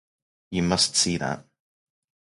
You must see that?